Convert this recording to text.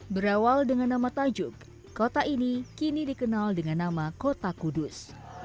berawal dengan nama tajuk kota ini kini dikenal dengan nama kota kudus